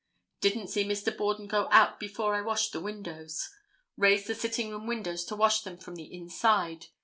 Didn't see Mr. Borden go out before I washed the windows. Raised the sitting room windows to wash them from the inside.